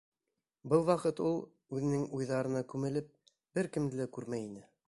Был ваҡыт ул, үҙенең уйҙарына күмелеп, бер кемде лә күрмәй ине.